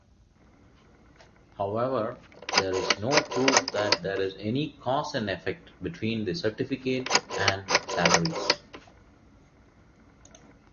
However, there's no proof that there's any cause-and-effect between the certificate and salaries.